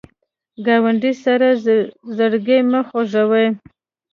ګاونډي سره زړګی مه خوږوه